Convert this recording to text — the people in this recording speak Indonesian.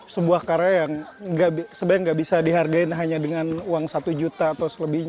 sebuah karya yang sebenarnya nggak bisa dihargain hanya dengan uang satu juta atau selebihnya